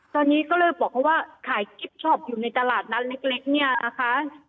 ตอนนี้ก็เลยบอกเขาว่าขายกิฟต์ชอปอยู่ในตลาดนั้นเล็กนะคะ